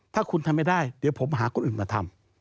ถ้าคุณทำไม่ได้เดี๋ยวผมหาคนอื่นมาทำ